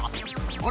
あれ？